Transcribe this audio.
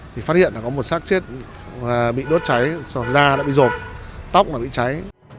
thì phát hiện là có một xác chết bị đốt cháy da đã bị rột tóc đã bị cháy